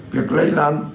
việc lây lan